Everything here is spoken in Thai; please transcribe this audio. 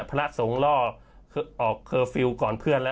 พระสงฆ์ล่อออกเคอร์ฟิลล์ก่อนเพื่อนแล้ว